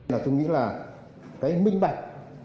tôi nghĩ là cái minh bạch